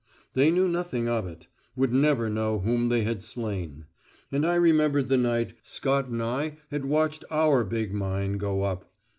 They knew nothing of it, would never know whom they had slain. And I remembered the night Scott and I had watched our big mine go up.